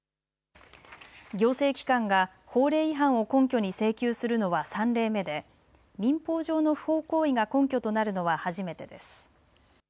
行政機関が法令違反を根拠に請求するのは３例目で民法上の不法行為が根拠となるのは初めてです。